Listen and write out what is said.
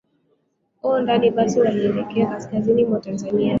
o ndani ya basi wakielekea kaskazini mwa tanzania huko